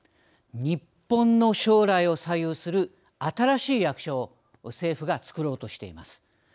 日本の将来を左右する新しい役所を政府が作ろうとしています。